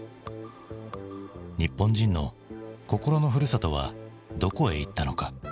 日本人の心のふるさとはどこへいったのか？